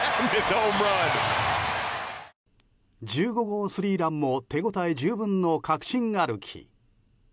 １５号スリーランも手応え十分の確信歩き。